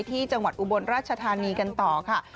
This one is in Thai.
ที่จังหวัดอุบลราชธานีกันต่อค่ะ